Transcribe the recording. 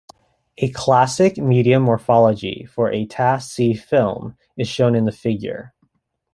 A classic "medium" morphology for a "ta-C" film is shown in the figure.